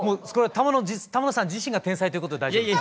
玉野さん自身が天才ということで大丈夫ですか？